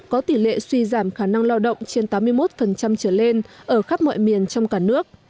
có tỷ lệ suy giảm khả năng lao động trên tám mươi một trở lên ở khắp mọi miền trong cả nước